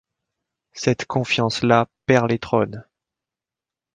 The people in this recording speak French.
Cette confiance-là perd les trônes.